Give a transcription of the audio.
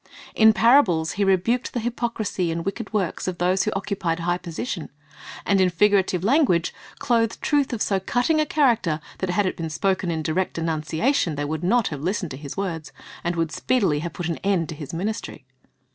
In parables He rebuked the hypocrisy and wicked works of those who occupied high positions, and in figurative language clothed truth of so cutting a character that had it been spoken in direct denunciation, they would not have listened to His words, and would speedily have put an end to His ministry.